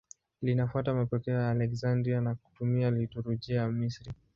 Linafuata mapokeo ya Aleksandria na kutumia liturujia ya Misri.